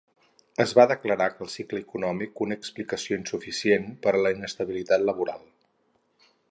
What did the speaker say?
Es va declarar que el cicle econòmic una explicació insuficient per a la inestabilitat laboral.